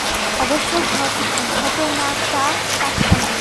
অবশ্য ঘটনাটা কাকতালীয়।